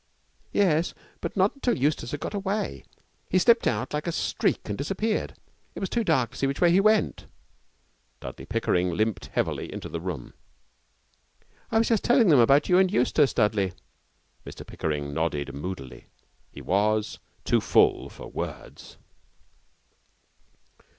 'Yes, but not until Eustace had got away. He slipped out like a streak and disappeared. It was too dark to see which way he went.' Dudley Pickering limped heavily into the room. 'I was just telling them about you and Eustace, Dudley.' Mr Pickering nodded moodily. He was too full for words.